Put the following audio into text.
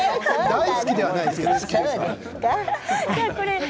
大好きではないですけど好きです。